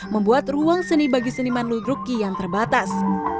membuat ruang seni bagi seniman ludruk kian terbatas